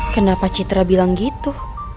kenapa citra bilang gitu